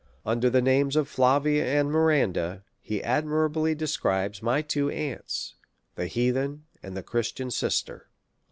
Under the names of Flavia and Miranda, he admirably describes my two aunts, the heathen and the Christian sister."